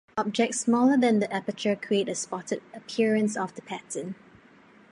Objects smaller than the aperture create a spotted appearance of the pattern.